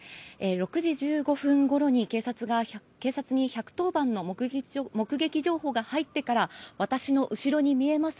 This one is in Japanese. ６時１５分ごろに警察に１１０番通報の目撃情報が入ってから私の後ろに見えます